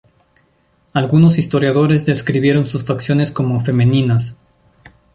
Algunos historiadores describieron sus facciones como femeninas.